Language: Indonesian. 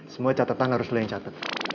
semua catetan harus lo yang catet